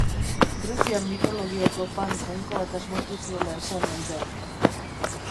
Greziar mitologiako Pan jainkoak asmatu zuela esan ohi da.